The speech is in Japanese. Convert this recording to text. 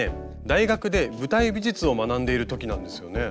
大学で舞台美術を学んでいる時なんですよね。